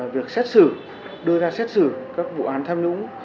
việc xét xử đưa ra xét xử các vụ án tham nhũng